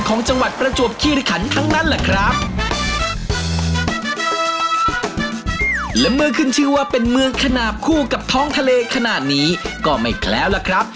ของจังหวัดประจวบคิริขันทั้งนั้นแหละครับ